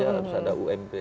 harus ada ump